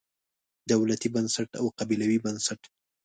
دولتي بنسټ او قبیلوي بنسټ.